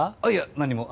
何も。